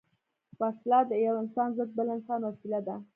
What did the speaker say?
وسله د یو انسان ضد بل انسان وسيله ده